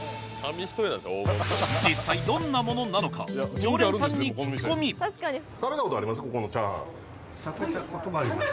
実際どんなものなのか常連さんに聞き込み食べたことあります？